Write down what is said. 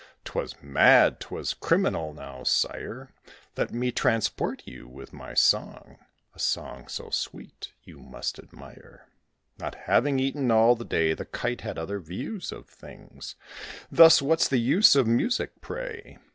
'Twas mad 'twas criminal: now, sire, Let me transport you with my song; A song so sweet you must admire." Not having eaten all the day, The Kite had other views of things. Thus "What's the use of music, pray?